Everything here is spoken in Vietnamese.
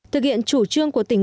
thực hiện chủ trương của tỉnh